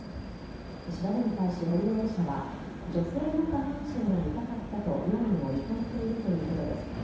調べに対し、堀容疑者は女性の下半身が見たかったと容疑を認めているということです。